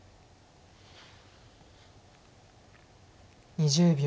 ２０秒。